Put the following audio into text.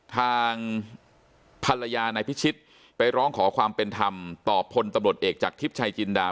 ทางภรรยานายพิชิตไปร้องขอความเป็นธรรมต่อพลตำรวจเอกจากทิพย์ชัยจินดา